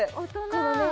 このね